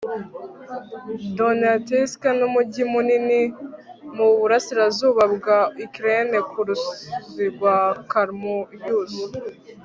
donetsk n'umujyi munini mu burasirazuba bwa ukraine ku ruzi rwa kalmius